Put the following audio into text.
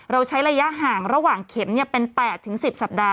เราใช้ระยะห่างระหว่างเข็มเป็น๘๑๐สัปดาห